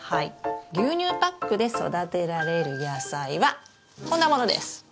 牛乳パックで育てられる野菜はこんなものです。